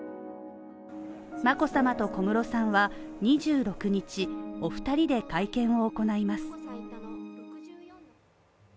眞子さまと小室さんは２６日、お２人で会見を行います。